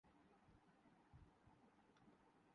لوٹے ان کے کسی کام نہ آ سکتے تھے۔